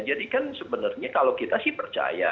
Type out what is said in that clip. jadi kan sebenarnya kalau kita sih percaya